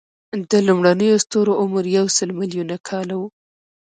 د لومړنیو ستورو عمر یو سل ملیونه کاله و.